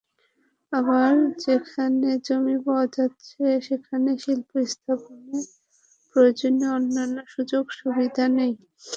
আবার যেখানে জমি পাওয়া যাচ্ছে, সেখানে শিল্প স্থাপনের প্রয়োজনীয় অন্যান্য সুযোগ-সুবিধা নেই।